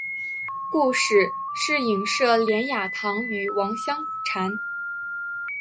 故事是隐射连雅堂与王香禅。